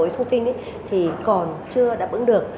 thông tin thì còn chưa đáp ứng được